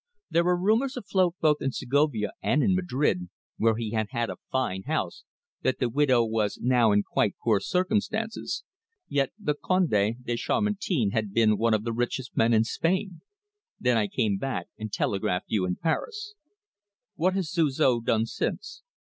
There were rumours afloat both in Segovia and in Madrid where he had had a fine house that the widow was now in quite poor circumstances. Yet the Conde de Chamartin had been one of the richest men in Spain. Then I came back and telegraphed to you in Paris." "What has Suzor done since?"